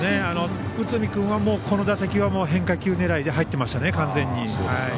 内海君は、この打席は変化球狙いで入っていましたね、完全に。